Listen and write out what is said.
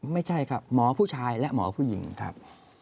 ไม่ใช่ครับหมอผู้ชายและหมอผู้หญิงครับ